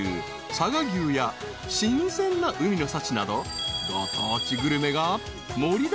佐賀牛や新鮮な海の幸などご当地グルメが盛りだくさん］